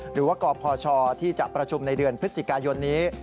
หรือว่ากพชที่จะประชุมในเดือนพฤศจิกายนนี้